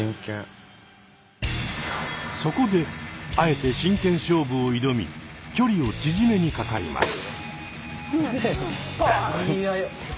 そこであえて真剣勝負を挑み距離を縮めにかかります。